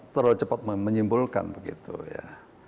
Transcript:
terlalu cepat menyimpulkan begitu ya